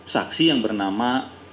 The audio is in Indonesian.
saksi yang bernama